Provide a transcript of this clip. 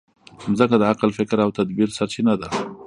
مځکه د عقل، فکر او تدبر سرچینه ده.